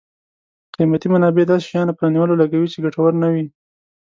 قیمتي منابع داسې شیانو په رانیولو لګوي چې ګټور نه وي.